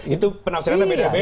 itu penampilannya beda beda